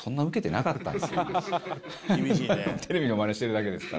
テレビのマネしてるだけですから。